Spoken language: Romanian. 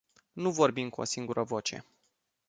Nu vorbim cu o singură voce.